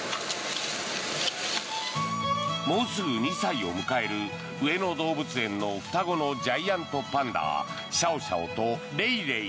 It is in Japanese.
もうすぐ２歳を迎える上野動物園の双子のジャイアントパンダシャオシャオとレイレイ。